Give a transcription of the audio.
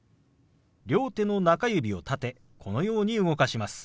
両手の中指を立てこのように動かします。